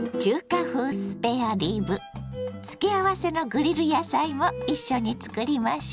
付け合わせのグリル野菜も一緒に作りましょ。